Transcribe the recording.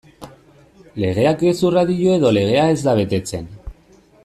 Legeak gezurra dio edo legea ez da betetzen?